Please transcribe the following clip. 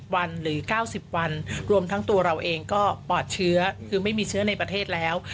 วันหรือ๙๐วันรวมทั้งตัวเราเองก็ปลอดเชื้อคือไม่มีเชื้อในประเทศแล้ว